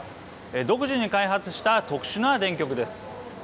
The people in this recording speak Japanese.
独自に開発した特殊な電極です。